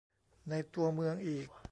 ในตัวเมืองอีก